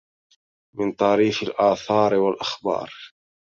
من طريف الآثار والأخبار